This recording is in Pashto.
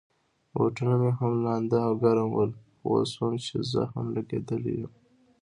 بوټونه مې هم لانده او ګرم ول، پوه شوم چي زه هم لګېدلی یم.